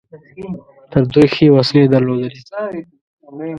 تر دوی ښې وسلې درلودلې.